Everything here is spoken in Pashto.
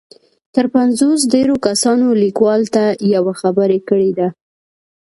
تر پنځوس ډېرو کسانو ليکوال ته يوه خبره کړې ده.